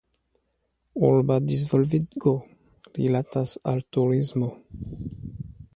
Urba disvolvigo rilatas al turismo.